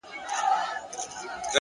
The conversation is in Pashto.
تمرکز ګډوډي په چوپتیا بدلوي’